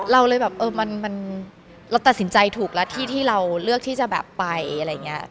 เราเลยแบบเออมันเราตัดสินใจถูกแล้วที่ที่เราเลือกที่จะแบบไปอะไรอย่างนี้